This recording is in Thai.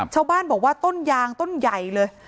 ชาวบ้านบอกว่าต้นยางต้นใหญ่เลย